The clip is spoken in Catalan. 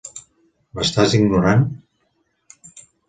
M'estàs ignorant?